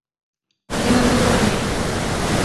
Li min biborîne.